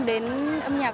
đến âm nhạc